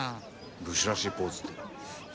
武士らしいポーズって？